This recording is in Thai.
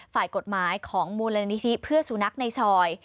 ฝ่ายกฎหมายของมูลนิธิเพื่อสุนัขในซอย